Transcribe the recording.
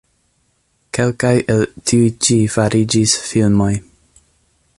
Kelkaj el tiuj-ĉi fariĝis filmoj.